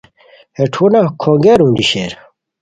ہے ٹھونہ کھونگیر اوندی شیر